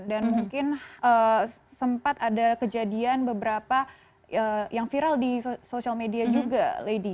dan mungkin sempat ada kejadian beberapa yang viral di social media juga lady